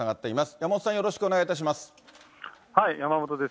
山元さん、よろしくお願いいたします。